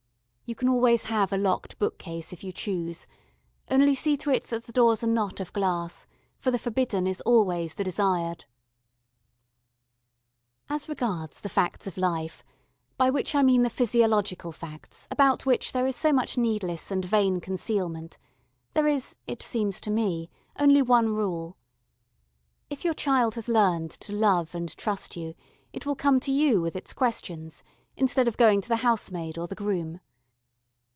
You can always have a locked book case if you choose: only see to it that the doors are not of glass, for the forbidden is always the desired. As regards the facts of life, by which I mean the physiological facts about which there is so much needless and vain concealment, there is, it seems to me, only one rule. If your child has learned to love and trust you it will come to you with its questions, instead of going to the housemaid or the groom.